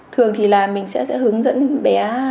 thường thì là mình sẽ hướng dẫn bé